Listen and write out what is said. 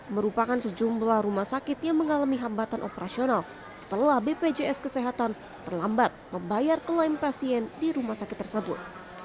merupakan sejumlah rumah sakit yang mengalami hambatan operasional setelah bpjs kesehatan terlambat membayar klaim pasien di rumah sakit tersebut